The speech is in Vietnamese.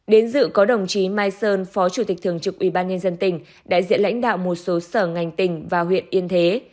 đến dự có đồng chí mai sơn phó chủ tịch thường trực ubnd tỉnh đại diện lãnh đạo một số sở ngành tỉnh và huyện yên thế